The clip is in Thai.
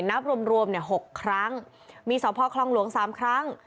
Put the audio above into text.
นับรวมรวมเหนี่ยหกครั้งมีสอพคลองหลวงสามครั้ง